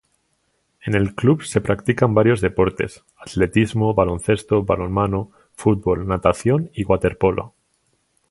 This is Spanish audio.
En el club se practican varios deportes: atletismo, baloncesto, balonmano, fútbol, natación y waterpolo.